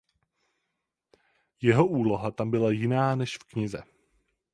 Jeho úloha je tam jiná než v knize.